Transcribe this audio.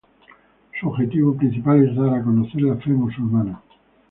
Su objetivo principal es dar a conocer la fe musulmana.